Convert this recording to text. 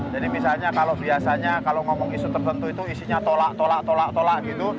jadi misalnya kalau biasanya kalau ngomong isu tertentu itu isinya tolak tolak tolak tolak gitu